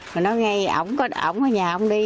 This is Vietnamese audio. mà nói ngay ổng ở nhà ổng đi